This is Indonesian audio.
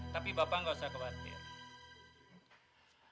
tapi bapak nggak usah khawatir